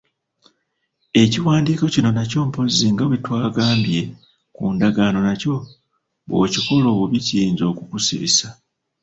Ekiwandiiko kino nakyo mpozzi nga bwe twagambye ku ndagaano nakyo bw'okikola obubi kiyinza okukusibisa.